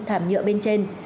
thảm nhựa bên trên